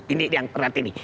ini yang terjadi nih